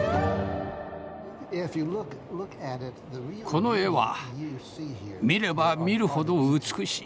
この絵は見れば見るほど美しい。